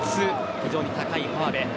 非常に高い川辺。